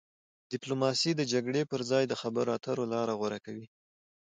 ډیپلوماسي د جګړې پر ځای د خبرو اترو لاره غوره کوي.